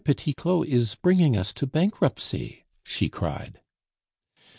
Petit Claud is bringing us to bankruptcy," she cried.